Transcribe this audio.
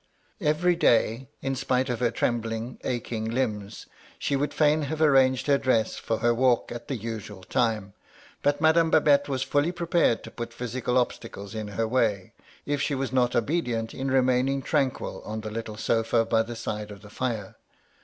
Every day, in spite of her trembling, aching limbs, she would fain have arranged her dress for her walk at the usual time ; but Madame Babette was frdly prepared to put physical obstacles in her way, if she was not obedient in remaining tranquil on the little sofa by the side of the fire.